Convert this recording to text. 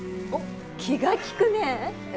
おっ気が利くねえ。